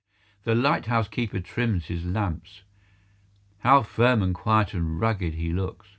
The lighthouse keeper trims his lamps. How firm and quiet and rugged he looks.